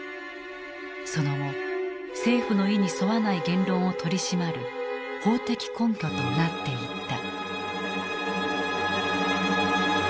その後政府の意に沿わない言論を取り締まる法的根拠となっていった。